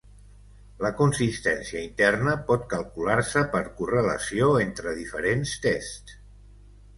La consistència interna pot calcular-se per correlació entre diferents tests.